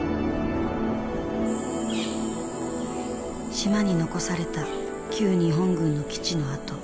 島に残された旧日本軍の基地の跡。